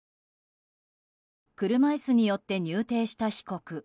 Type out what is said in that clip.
車椅子に乗って入廷した被告。